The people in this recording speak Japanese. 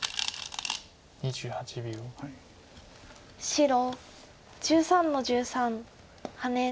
白１３の十三ハネ。